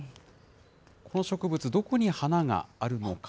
この植物、どこに花があるのか。